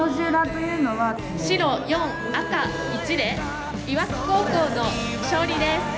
白４赤１で磐城高校の勝利です。